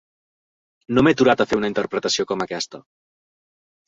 No m’he aturat a fer una interpretació com aquesta.